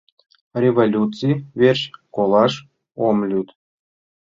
Революций верч колаш ом лӱд.